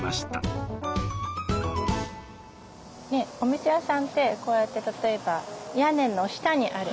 お店屋さんってこうやって例えば屋根の下にあるもの